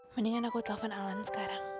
mendingan aku telepon alan sekarang